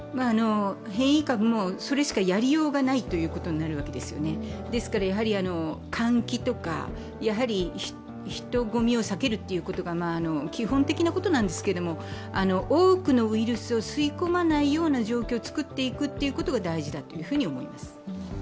変異株もそれしかやりようがないということになるわけですから換気とか人混みを避けるっていうこと、基本的なことなんですけど多くのウイルスを吸い込まないような状況を作っていくことが大事だと思います。